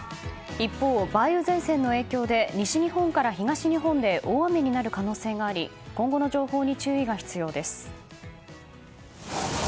一方、梅雨前線の影響で西日本から東日本で大雨になる可能性があり今後の情報に注意が必要です。